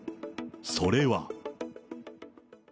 それは。